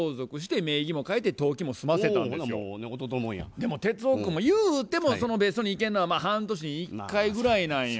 でも哲夫君もゆうてもその別荘に行けんのは半年に１回ぐらいなんよ。